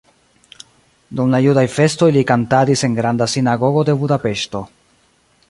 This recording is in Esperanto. Dum la judaj festoj li kantadis en Granda Sinagogo de Budapeŝto.